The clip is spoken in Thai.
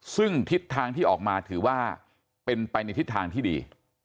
ซึ่งทิศทางที่ออกมาถือว่าเป็นไปในทิศทางที่ดี